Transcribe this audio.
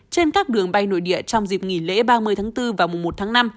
trên các đường bay nội địa trong dịp nghỉ lễ ba mươi tháng bốn vào mùng một tháng năm